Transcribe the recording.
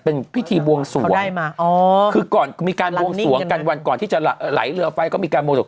เป็นพิธีบวงสวงคือก่อนมีการบวงสวงกันวันก่อนที่จะไหลเรือไฟก็มีการบวงสวง